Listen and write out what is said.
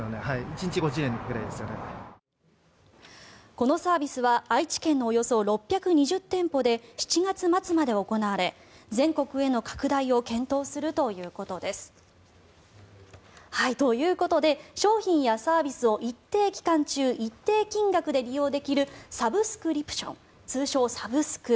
このサービスは愛知県のおよそ６２０店舗で７月末まで行われ全国への拡大を検討するということです。ということで、商品やサービスを一定期間中一定金額で利用できるサブスクリプション通称・サブスク。